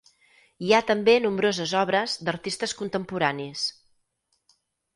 Hi ha també nombroses obres d'artistes contemporanis.